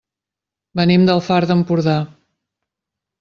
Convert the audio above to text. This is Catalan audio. Venim del Far d'Empordà.